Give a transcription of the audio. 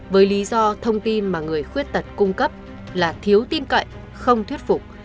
với lý do thông tin mà người khuyết tật cung cấp là thiếu tin cậy không thuyết phục